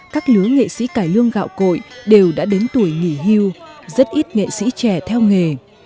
các lứa nghệ sĩ cải lương gạo cội đều đã đến tuổi nghỉ hưu rất ít nghệ sĩ trẻ theo nghề